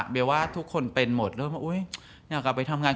โดยทุกคนเป็นหมดเรากลับไปทำงาน